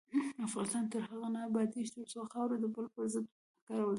افغانستان تر هغو نه ابادیږي، ترڅو خاوره د بل پر ضد ونه کارول شي.